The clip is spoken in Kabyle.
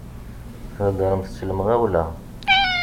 Theddṛemt s lemɣawla.